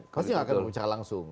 pasti nggak akan berbicara langsung